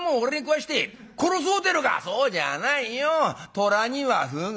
虎にはふぐ」。